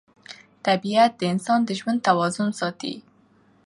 طبیعت د انسان د ژوند توازن ساتي